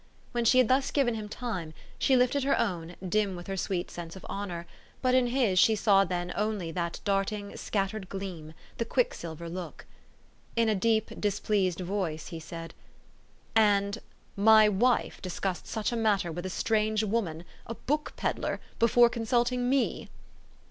When she had thus given him tune, she lifted her own, dim with her sweet sense of honor ; but in his she saw then only that darting, scattered gleam, the quicksilver look. In a deep, displeased voice he said, " And my wife discussed such a matter with a strange woman, a book peddler, before consulting me?"